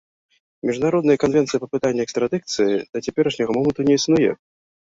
Міжнароднай канвенцыі па пытанні экстрадыцыі да цяперашняга моманту не існуе.